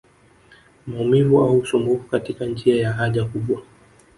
Maumivu au usumbufu katika njia ya haja kubwa